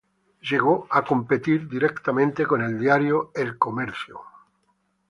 Llegó a competir directamente con el diario "El Comercio".